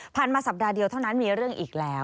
มาสัปดาห์เดียวเท่านั้นมีเรื่องอีกแล้ว